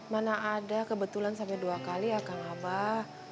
mana ada kebetulan sampai dua kali ya kang abah